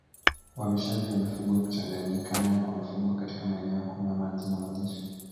Uhamishaji wa mifugo Kuchanganyikana kwa mifugo katika maeneo ya kunywa maji na malisho